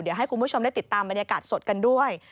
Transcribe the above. เดี๋ยวให้คุณผู้ชมได้ติดตามบรรยากาศสดกันด้วย